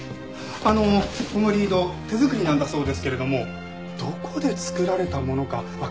あのこのリード手作りなんだそうですけれどもどこで作られたものかわかりませんか？